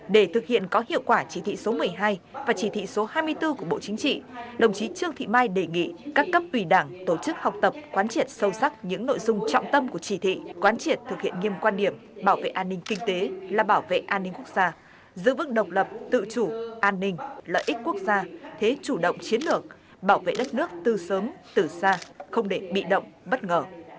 để thực hiện có hiệu quả chỉ thị số một mươi hai và chỉ thị số hai mươi bốn của bộ chính trị đồng chí trương thị mai đề nghị các cấp ủy đảng tổ chức học tập quán triệt sâu sắc những nội dung trọng tâm của chỉ thị quán triệt thực hiện nghiêm quan điểm bảo vệ an ninh kinh tế là bảo vệ an ninh quốc gia giữ vững độc lập tự chủ an ninh lợi ích quốc gia thế chủ động chiến lược bảo vệ đất nước từ sớm từ xa không để bị động bất ngờ